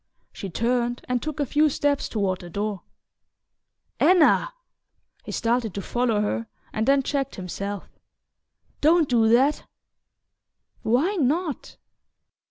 She turned and took a few steps toward the door. "Anna!" He started to follow her, and then checked himself. "Don't do that!" "Why not?"